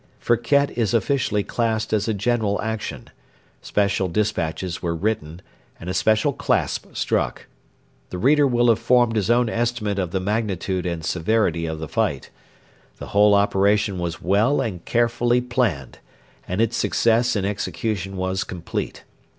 Firket is officially classed as a general action: special despatches were written, and a special clasp struck. The reader will have formed his own estimate of the magnitude and severity of the fight. The whole operation was well and carefully planned, and its success in execution was complete.